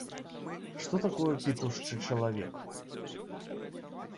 Што такое пітушчы чалавек?